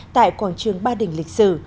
tại quảng trường ba đỉnh lịch sử